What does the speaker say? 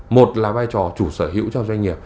một là vai trò chủ sở hữu cho doanh nghiệp